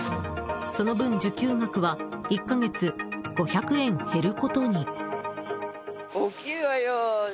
その分、受給額は１か月５００円減ることに。